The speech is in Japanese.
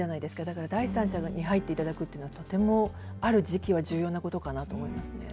だから、第三者に入っていただくっていうのはとても、ある時期は重要なことかなと思いますね。